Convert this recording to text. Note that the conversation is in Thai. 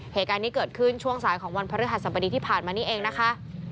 เหตุการณ์นี้เกิดขึ้นช่วงสายของวันพระฤหัสบดีที่ผ่านมานี่เองนะคะ